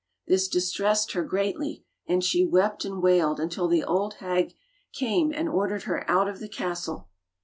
This distressed her greatly, and she wept and wailed un til the old hag came and ordered her out of the castle.